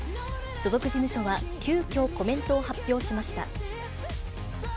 所属事務所は急きょ、コメントを発表しました。